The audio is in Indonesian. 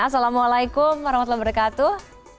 assalamualaikum warahmatullahi wabarakatuh